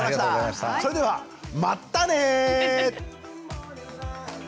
それではまったね！